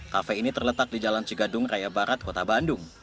kafe ini terletak di jalan cigadung raya barat kota bandung